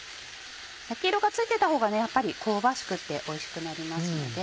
焼き色がついてたほうがやっぱり香ばしくておいしくなりますので。